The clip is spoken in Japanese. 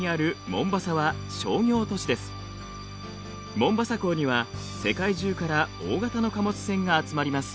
モンバサ港には世界中から大型の貨物船が集まります。